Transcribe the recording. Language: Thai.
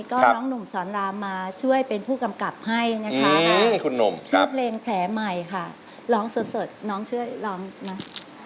ก็น้องหนุ่มสอนรามมาช่วยเป็นผู้กำกับให้นะคะชื่อเพลงแผลใหม่ค่ะร้องสดน้องช่วยร้องนะ